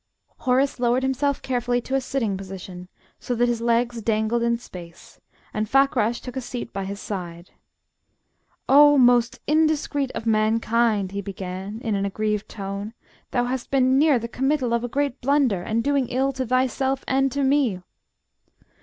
Horace lowered himself carefully to a sitting position, so that his legs dangled in space, and Fakrash took a seat by his side. "O, most indiscreet of mankind!" he began, in an aggrieved tone; "thou hast been near the committal of a great blunder, and doing ill to thyself and to me!"